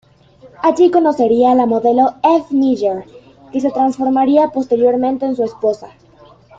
Allí conocería a la modelo Eve Meyer, que se transformaría posteriormente en su esposa.